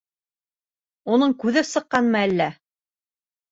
Уның күҙе сыҡҡанмы әллә?